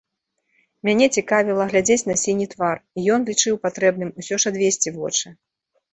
Мяне цікавіла глядзець на сіні твар, і ён лічыў патрэбным усё ж адвесці вочы.